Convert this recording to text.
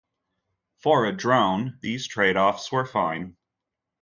For a drone, these trade offs were fine.